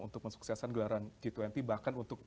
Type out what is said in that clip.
untuk mensukseskan gelaran g dua puluh bahkan untuk